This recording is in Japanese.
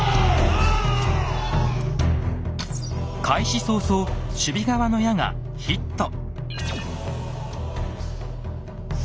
開始早々守備側の矢がヒット！